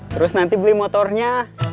terus nanti beli motornya